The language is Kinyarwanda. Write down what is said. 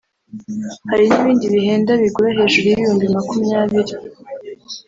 Hari n’ibindi bihenda bigura hejuru y’ibihumbi makumyabiri